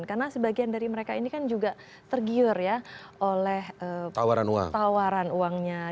karena sebagian dari mereka ini kan juga tergiur oleh tawaran uangnya